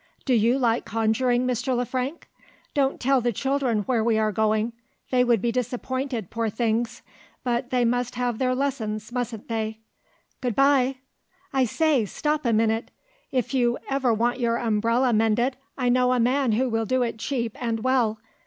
Do you like conjuring, Mr. Le Frank? Don't tell the children where we are going! They would be disappointed, poor things but they must have their lessons, mustn't they? Good bye! I say! stop a minute. If you ever want your umbrella mended, I know a man who will do it cheap and well.